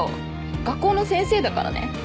学校の先生だからね。